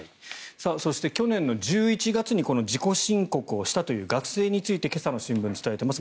そして去年１１月に自己申告したという学生について今朝の新聞が伝えています。